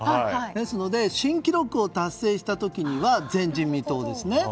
ですので、新記録を達成した時は前人未到ですね。